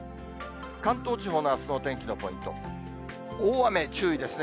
関東地方のあすのお天気のポイント、大雨注意ですね。